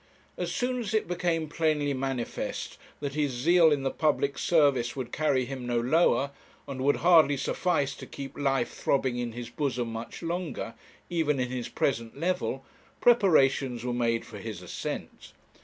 As soon as it became plainly manifest that his zeal in the public service would carry him no lower, and would hardly suffice to keep life throbbing in his bosom much longer, even in his present level, preparations were made for his ascent.